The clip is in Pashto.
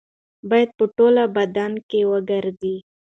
باید په ټول بدن کې وګرځي.